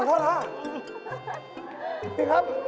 นี่ครับ